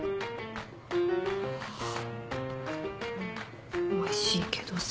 うんおいしいけどさ。